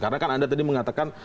karena kan anda tadi mengatakan